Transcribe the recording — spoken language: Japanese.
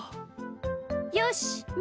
よしみ